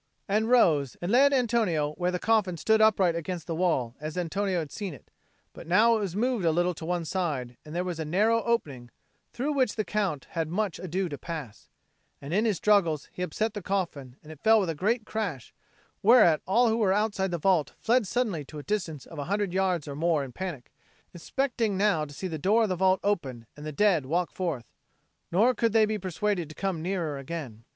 and rose, and led Antonio where the coffin stood upright against the wall as Antonio had seen it; but it was now moved a little to one side, and there was a narrow opening, through which the Count had much ado to pass; and in his struggles he upset the coffin, and it fell with a great crash; whereat all who were outside the vault fled suddenly to a distance of a hundred yards or more in panic, expecting now to see the door of the vault open and the dead walk forth: nor could they be persuaded to come nearer again.